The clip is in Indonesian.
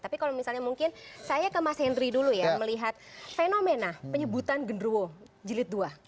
tapi kalau misalnya mungkin saya ke mas henry dulu ya melihat fenomena penyebutan genruwo jilid dua